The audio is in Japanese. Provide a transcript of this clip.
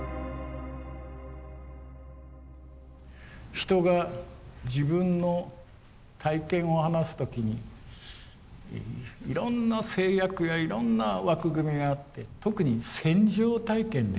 人が自分の体験を話す時にいろんな制約やいろんな枠組みがあって特に戦場体験です。